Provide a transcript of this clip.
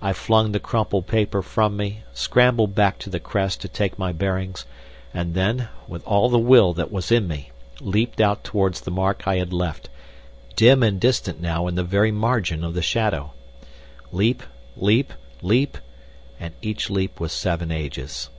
I flung the crumpled paper from me, scrambled back to the crest to take my bearings, and then, with all the will that was in me, leapt out towards the mark I had left, dim and distant now in the very margin of the shadow. Leap, leap, leap, and each leap was seven ages.